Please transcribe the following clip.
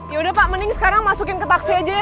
yaudah pak mending sekarang masukin ke taksi aja ya